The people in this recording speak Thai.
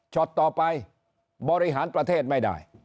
ต่อไปบริหารประเทศไม่ได้